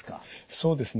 そうですね。